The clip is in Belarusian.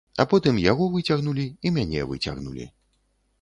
А потым яго выцягнулі і мяне выцягнулі.